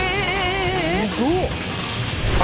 すごっ！